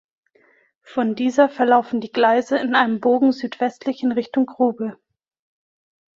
Von dieser verlaufen die Gleise in einem Bogen südwestlich in Richtung Grube.